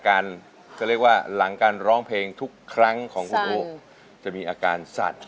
เครื่องกับโคคท์ของคุณอาจจะมีอาการสั่น